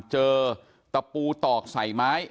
ตะปูตอกใส่ไม้